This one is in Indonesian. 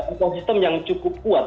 ekosistem yang cukup kuat